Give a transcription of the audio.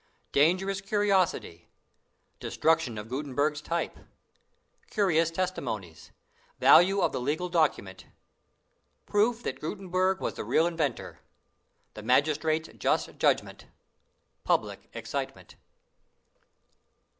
Dangerous Curiosity. Destruction of Gutenberg's Type. Curious Testimonies. Value of the Legal Document. Proof that Gutenberg was the Real Inventor. The Magistrate's Just Judgment. Public Excitement.